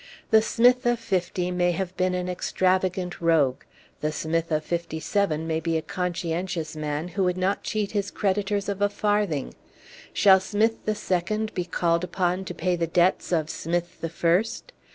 The Smith of '50 may have been an extravagant rogue; the Smith of '57 may be a conscientious man, who would not cheat his creditors of a farthing. Shall Smith the second be called upon to pay the debts of Smith the first?